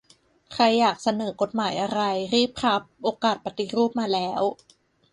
ใครอยากเสนอกฎหมายอะไร รีบครับ โอกาสปฏิรูปมาแล้ว